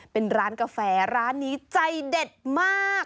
เป็นร้านกาแฟร้านนี้ใจเด็ดมาก